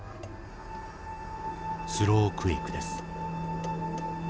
スロークエイクです。